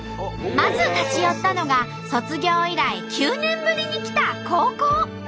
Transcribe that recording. まず立ち寄ったのが卒業以来９年ぶりに来た高校。